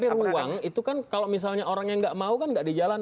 tapi ruang itu kan kalau misalnya orang yang nggak mau kan nggak di jalan